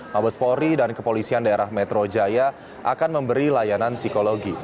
mabes polri dan kepolisian daerah metro jaya akan memberi layanan psikologi